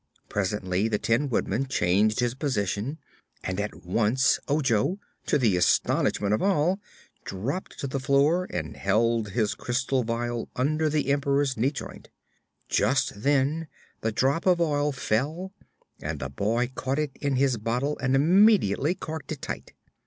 Presently the Tin Woodman changed his position, and at once Ojo, to the astonishment of all, dropped to the floor and held his crystal vial under the Emperor's knee joint. Just then the drop of oil fell, and the boy caught it in his bottle and immediately corked it tight.